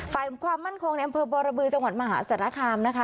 ฝ่ายความมั่นคงในอำเภอบรบือจังหวัดมหาสารคามนะคะ